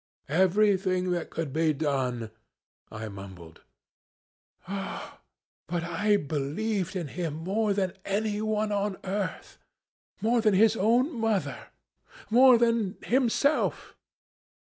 "'Everything that could be done ' I mumbled. "'Ah, but I believed in him more than anyone on earth more than his own mother, more than himself.